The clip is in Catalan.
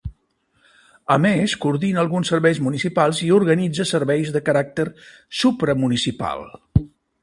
A més, coordina alguns serveis municipals i organitza serveis de caràcter supramunicipal.